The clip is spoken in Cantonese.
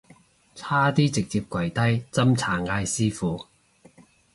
差啲直接跪低斟茶嗌師父